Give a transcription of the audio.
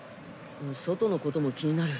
外のことも気になる。